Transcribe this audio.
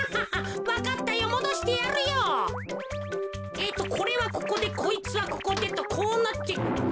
えっとこれはここでこいつはここでとこうなって。